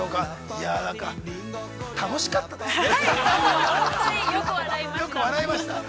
いや、なんか楽しかったですね。